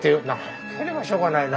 なければしょうがないなと。